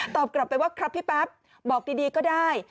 กลับไปว่าครับพี่แป๊บบอกดีก็ได้